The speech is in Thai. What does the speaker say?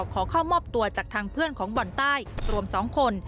ขอเข้ามอบตัวจากทางเพื่อนของบ่อนใต้รวม๒คน